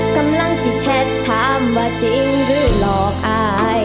กำลังสิแชทถามว่าจริงหรือหลอกอาย